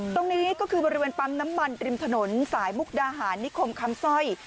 ตรงนี้ก็คือบริเวณปั๊มน้ำมันริมถนนสายมุกดาหารนิคมคำสร้อย